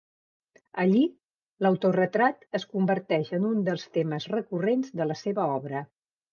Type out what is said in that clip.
Allí, l'autoretrat es converteix en un dels temes recurrents de la seva obra.